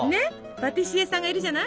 パティシエさんがいるじゃない？